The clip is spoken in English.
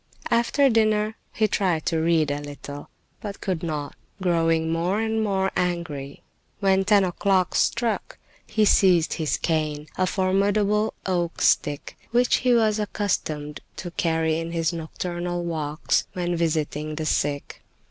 After dinner he tried to read a little, but could not, growing more and, more angry. When ten o'clock struck he seized his cane, a formidable oak stick, which he was accustomed to carry in his nocturnal walks when visiting the sick.